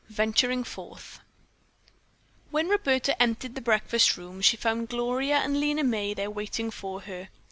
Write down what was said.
VENTURING FORTH When Roberta entered the breakfast room, she found Gloria and Lena May there waiting for her.